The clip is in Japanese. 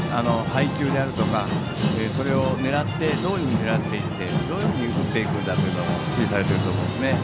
配球であるとか、それをどういうふうに狙っていってどういうふうに打っていくんだと指示されていると思うんですね。